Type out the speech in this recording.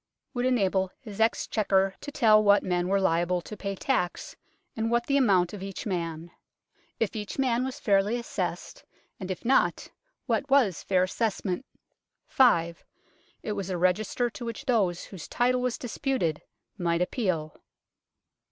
Would enable his Exchequer to tell what men were liable to pay tax, and what the amount of each man ; if each man was fairly assessed, and if not what was fair assessment. 5. It was a register to which those whose title was disputed might appeal.